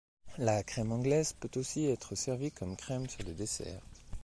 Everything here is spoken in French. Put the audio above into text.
La crème anglaise peut aussi être servie comme crème sur des desserts.